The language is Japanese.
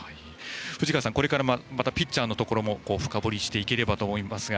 藤川さん、これからまたピッチャーのところも深掘りしていければと思いますが。